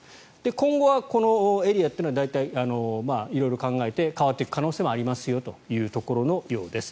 今後はこのエリアというのは大体、色々考えて変わっていく可能性はありますよというところのようです。